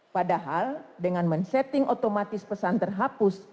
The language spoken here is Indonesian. padahal dengan men setting otomatis pesan terhapus